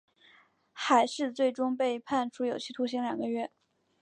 海氏最终被判处有期徒刑两个月。